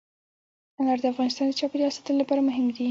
انار د افغانستان د چاپیریال ساتنې لپاره مهم دي.